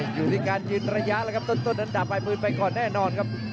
อยู่ที่การยืนระยะแล้วครับต้นนั้นดาบวายปืนไปก่อนแน่นอนครับ